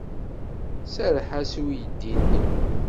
Serreḥ-as i uydi-nni.